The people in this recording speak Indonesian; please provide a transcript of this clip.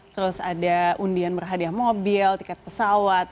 terus ada undian berhadiah mobil tiket pesawat